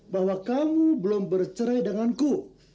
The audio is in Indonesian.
bahwa kamu belum bercerai denganku